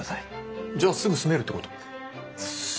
じゃあすぐ住めるってこと？